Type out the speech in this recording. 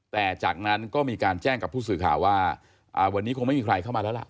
แต่จากนั้นก็มีการแจ้งกับผู้สื่อข่าวว่าวันนี้คงไม่มีใครเข้ามาแล้วล่ะ